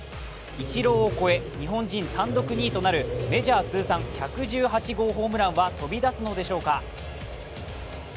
イチローを超え、日本人単独となるメジャー通算１１８号ホームランは飛び出すのでしょうか。